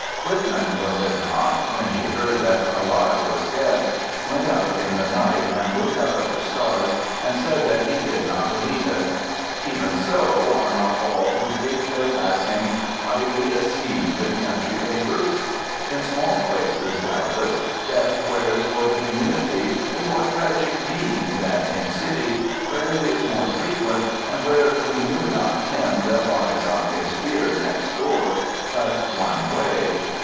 Whitman (was it not?) when he heard that Carlyle was dead went out in the night and looked up at the stars and said that he did not believe it. Even so, are not all who take their passing "highly esteemed" in country papers? In small places, doubtless, death wears for the community a more tragic mein than in cities, where it is more frequent and where we knew not him that lies on his bier next door but one away.